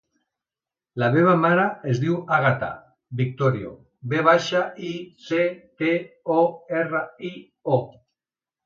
La meva mare es diu Àgata Victorio: ve baixa, i, ce, te, o, erra, i, o.